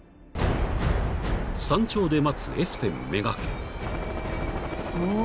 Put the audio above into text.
［山頂で待つエスペン目がけ］